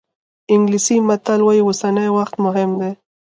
انګلیسي متل وایي اوسنی وخت مهم دی.